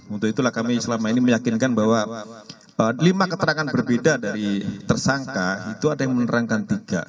untuk itulah kami selama ini meyakinkan bahwa lima keterangan berbeda dari tersangka itu ada yang menerangkan tiga